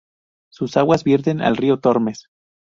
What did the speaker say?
Sus aguas vierten al río Tormes.